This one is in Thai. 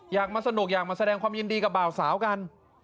อยากมาสนุกอยากมาแสดงความยินดีกับบ่าวสาวกัน